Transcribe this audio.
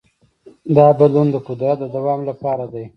دا بدلون د قدرت د دوام لپاره دی.